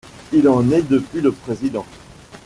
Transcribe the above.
Il en est depuis le président.